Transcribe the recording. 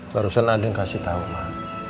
barusan ada yang kasih tau pak